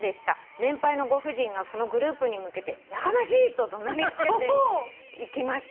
「年配のご婦人がそのグループに向けて『やかましい！』と怒鳴りつけていきました」